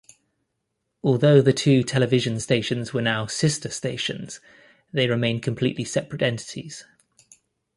Although the two television stations were now sister stations, they remained completely separate entities.